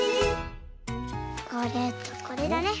これとこれだね。